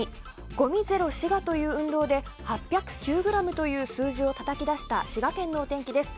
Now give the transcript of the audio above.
ごみゼロしがという運動で８０９ｇという数字をたたき出した滋賀県のお天気です。